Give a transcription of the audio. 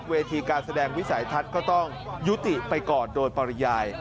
เวทีการแสดงวิสัยทัศน์ก็ต้องยุติไปก่อนโดยปริยาย